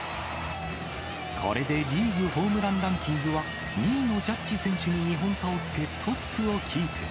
これでリーグホームランランキングは、２位のジャッジ選手に２本差をつけ、トップをキープ。